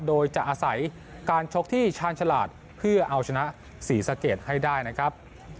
โดยจะอาศัยการชกที่ชาญฉลาดเพื่อเอาชนะศรีสะเกดให้ได้นะครับ